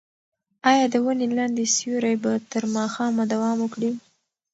ایا د ونې لاندې سیوری به تر ماښامه دوام وکړي؟